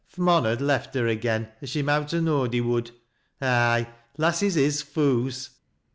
Th* mon had left her again, as she raowt ha' knowed he would. Ay, lasses is foo's.